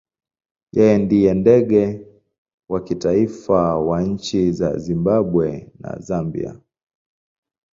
Yeye ndiye ndege wa kitaifa wa nchi za Zimbabwe na Zambia.